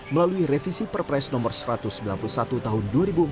melalui revisi perpres nomor satu ratus sembilan puluh satu tahun dua ribu empat belas